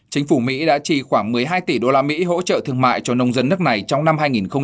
chính phủ mỹ đã trì khoảng một mươi hai tỷ đô la mỹ hỗ trợ thương mại cho nông dân nước này trong năm hai nghìn một mươi tám